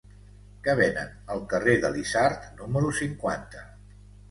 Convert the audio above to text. Què venen al carrer de l'Isard número cinquanta?